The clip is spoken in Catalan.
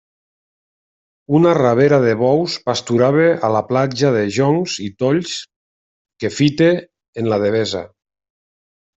Una rabera de bous pasturava a la platja de joncs i tolls que fita amb la Devesa.